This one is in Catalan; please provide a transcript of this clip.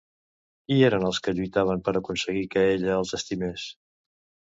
Qui eren els que lluitaven per aconseguir que ella els estimés?